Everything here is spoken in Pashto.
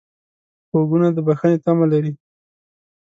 غوږونه د بښنې تمه لري